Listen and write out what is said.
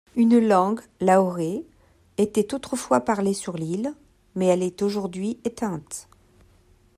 Une langue, l’aore, était autrefois parlée sur l’île, mais elle est aujourd’hui éteinte.